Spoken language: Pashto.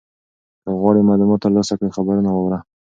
که غواړې معلومات ترلاسه کړې خبرونه واوره.